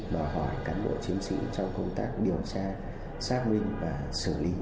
đòi hỏi các đội chiến sĩ trong công tác điều tra xác minh và xử lý